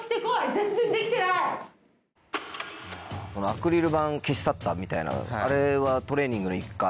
アクリル板消し去ったみたいなのあれはトレーニングの一環。